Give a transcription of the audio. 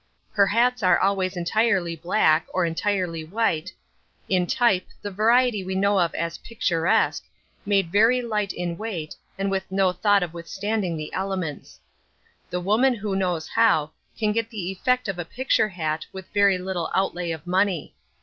Her hats are always entirely black or entirely white, in type the variety we know as picturesque, made very light in weight and with no thought of withstanding the elements. The woman who knows how, can get the effect of a picture hat with very little outlay of money.